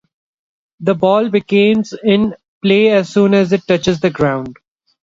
The ball becomes in play as soon as it touches the ground.